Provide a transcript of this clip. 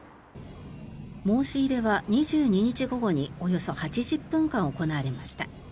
申し入れは２２日午後におよそ８０分間行われました。